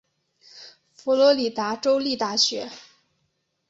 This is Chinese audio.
佛罗里达州立大学。